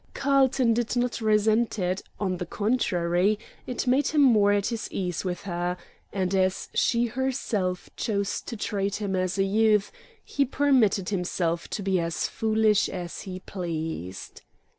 Carlton did not resent it; on the contrary, it made him more at his ease with her, and as she herself chose to treat him as a youth, he permitted himself to be as foolish as he pleased.